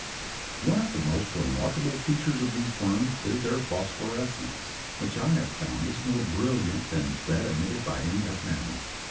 One of the most remarkable features of these worms is their phosphorescence, which I have found is more brilliant than that emitted by any other animal.